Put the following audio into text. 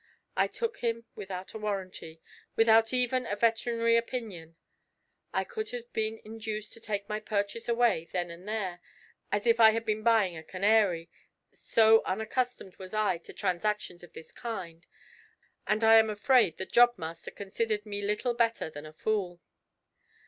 I took him without a warranty, without even a veterinary opinion. I could have been induced to take my purchase away then and there, as if I had been buying a canary, so unaccustomed was I to transactions of this kind, and I am afraid the job master considered me little better than a fool.